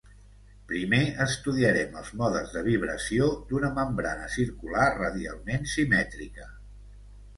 Primer estudiarem els modes de vibració d'una membrana circular radialment simètrica.